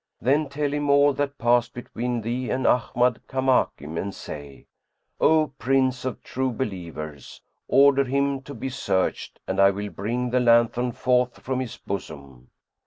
Then tell him all that passed between thee and Ahmad Kamakim and say, 'O Prince of True Believers, order him to be searched and I will bring the lanthorn forth from his bosom.'"